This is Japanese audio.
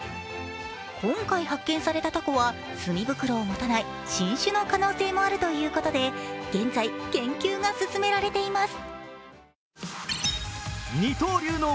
今回発見されたたこは墨袋を持たない新種の可能性もあるということで現在、研究が進められています。